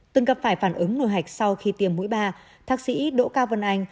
từng cặp phải phản ứng nổi hạch sau khi tiêm mũi ba thác sĩ đỗ cao vân anh